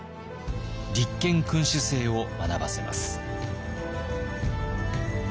立憲君主制を学ばせます。